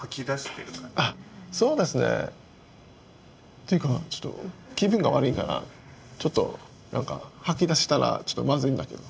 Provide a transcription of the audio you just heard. っていうかちょっと気分が悪いからちょっと何か吐き出したらまずいんだけど。